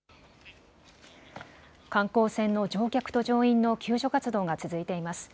観光船の乗客と乗員の救助活動が続いています。